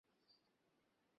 প্রকৃতি মানবগােষ্ঠী চায় নি।